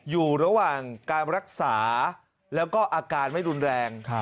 อยู่ระหว่างการรักษาแล้วก็อาการไม่รุนแรง